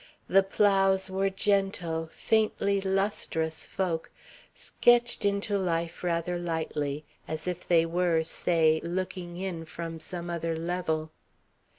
The Plows were gentle, faintly lustrous folk, sketched into life rather lightly, as if they were, say, looking in from some other level.